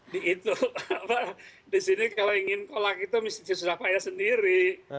di sini kalau ingin kolak itu mesti susah payah sendiri